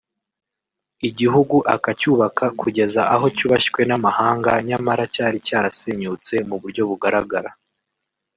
igihugu akacyubaka kugeza aho cyubashywe n’amahanga nyamara cyari cyarasenyutse mu buryo bugaragara